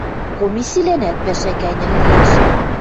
Комиссилӓнӓт пӓшӓ кӓньӹл лиэш.